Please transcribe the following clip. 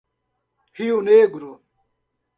Rio Negro